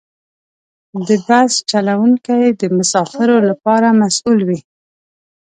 د بس چلوونکي د مسافرو لپاره مسؤل وي.